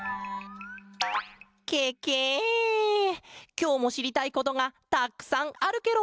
きょうもしりたいことがたくさんあるケロ！